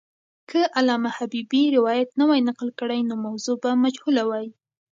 که علامه حبیبي روایت نه وای نقل کړی، نو موضوع به مجهوله وای.